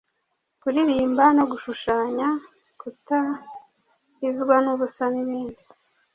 kuririmba no gushushanya, kutarizwa n’ubusa n’ibindi.